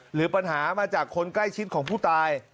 หรือปัญหามาจากคนใกล้ชิดของผู้ตาย